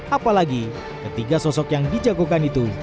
apalagi ketiga sosok yang dijagokan itu